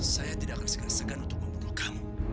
saya tidak akan segan segan untuk membunuh kamu